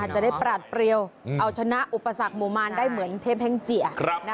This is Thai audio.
จะได้ปรัดเปรียวเอาชนะอุปสรรคหมู่มานได้เหมือนเทพแห้งเจีย